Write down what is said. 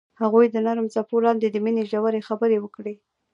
هغوی د نرم څپو لاندې د مینې ژورې خبرې وکړې.